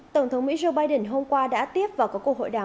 tổng thống mỹ joe biden hôm qua đã tiếp vào các cuộc hội đàm